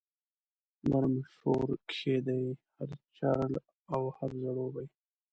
نرم شور کښي دی هر چړ او هر ځړوبی